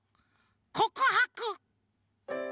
「こくはく」。